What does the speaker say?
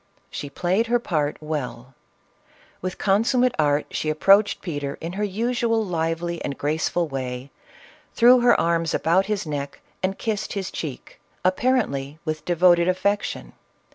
She played her part well ; with consummate art she approached Peter in her usual lively and graceful way, threw her arms about his neck and kissed his cheek, apparently with devoted affection.